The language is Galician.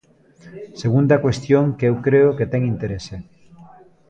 Segunda cuestión que eu creo que ten interese.